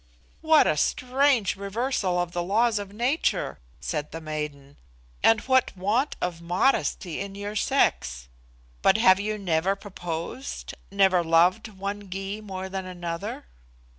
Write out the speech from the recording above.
"What a strange reversal of the laws of nature!" said the maiden, "and what want of modesty in your sex! But have you never proposed, never loved one Gy more than another?"